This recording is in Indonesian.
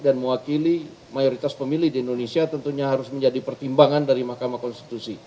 dan mewakili mayoritas pemilih di indonesia tentunya harus menjadi pertimbangan dari mahkamah konstitusi